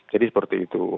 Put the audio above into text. jadi seperti itu